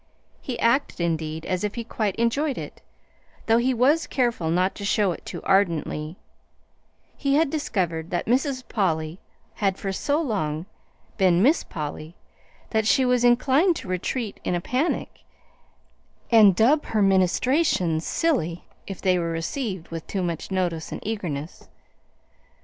He acted, indeed, as if he quite enjoyed it though he was careful not to show it too ardently: he had discovered that Mrs. Polly had for so long been Miss Polly that she was inclined to retreat in a panic and dub her ministrations "silly," if they were received with too much notice and eagerness.